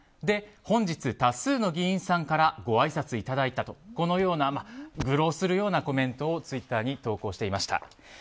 で、本日多数の議員さんからごあいさついただいたとこのような愚弄するようなコメントをツイッターに投稿していました。